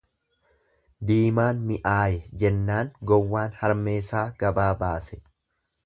Diimaan mi'aaye jennaan gowwaan harmeesaa gabaa baase.